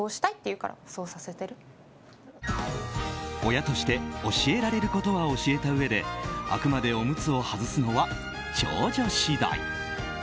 親として教えられることは教えたうえであくまでおむつを外すのは長女次第。